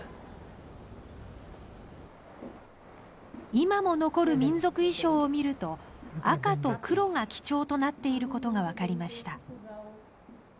今も残る民族衣装を見ると赤と黒が基調となっていることがわかりました。